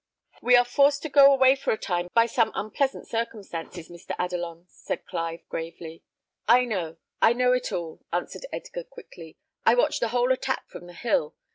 "We are forced to go away for a time by some unpleasant circumstances, Mr. Adelon," said Clive, gravely. "I know I know it all," answered Edgar, quickly. "I watched the whole attack from the hill.